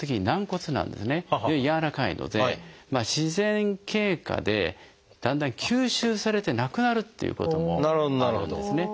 軟らかいので自然経過でだんだん吸収されてなくなるっていうこともあるんですね。